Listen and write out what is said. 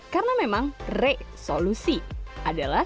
karena memang resolusi adalah